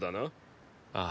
ああ。